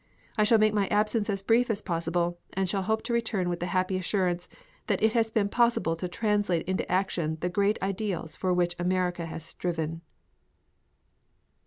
I shall make my absence as brief as possible and shall hope to return with the happy assurance that it has been possible to translate into action the great ideals for which America has striven."